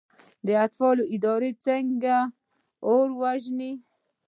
د اطفائیې اداره څنګه اور وژني؟